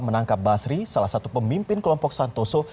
menangkap basri salah satu pemimpin kelompok santoso